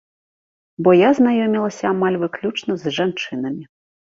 Бо я знаёмілася амаль выключна з жанчынамі.